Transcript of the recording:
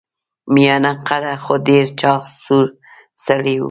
میانه قده خو ډیر چاغ سور سړی و.